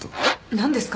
何ですか？